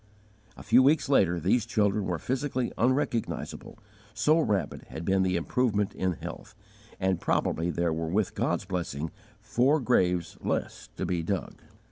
A few weeks later these children were physically unrecognizable, so rapid had been the improvement in health, and probably there were with God's blessing four graves less to be dug.